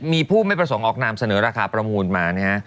มีผู้ไม่ประสงค์ออกนามเสนอราคาประมูลมานะฮะ